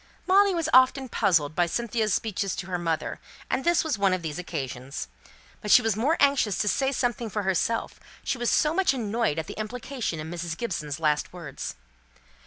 Molly was often puzzled by Cynthia's speeches to her mother; and this was one of these occasions. But she was more anxious to say something for herself; she was so much annoyed at the implication in Mrs. Gibson's last words.